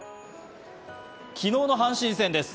昨日の阪神戦です。